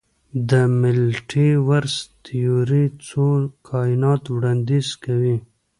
د ملټي ورس تیوري څو کائنات وړاندیز کوي.